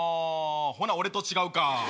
ほな俺と違うか。